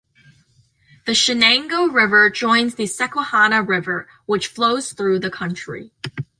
The Chenango River joins the Susquehanna River, which flows through the county.